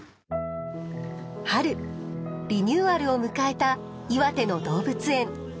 春リニューアルを迎えた岩手の動物園。